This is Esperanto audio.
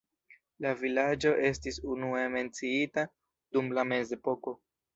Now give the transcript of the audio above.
La vilaĝo estis unue menciita dum la mezepoko.